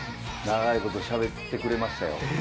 長いことしゃべってくれましたよ。